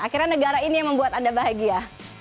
akhirnya negara ini yang membuat anda bahagia